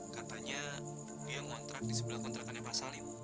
katanya dia ngontrak di sebelah kontrakannya pak salim